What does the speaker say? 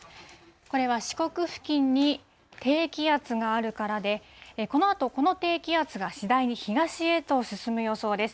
これは四国付近に低気圧があるからで、このあと、この低気圧が次第に東へと進む予想です。